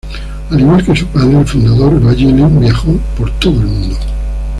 Al igual que su padre, el fundador, Evangeline viajó por todo el mundo.